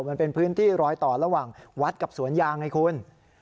มันเป็นพื้นที่รอยต่อระหว่างวัดกับสวนยางไงคุณ